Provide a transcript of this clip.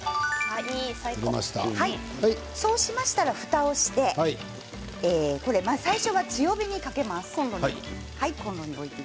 そうしたら、ふたをして最初は強火にかけます。